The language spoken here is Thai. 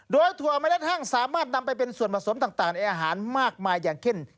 โดยถั่วเมล็ดแห้งสามารถนำไปเป็นส่วนผสมต่างในอาหารมากมายอย่างเช่น